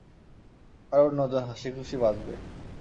আর অন্যজন, হাসি খুশী বাঁচবে।